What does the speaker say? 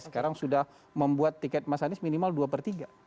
sekarang sudah membuat tiket mas anies minimal dua per tiga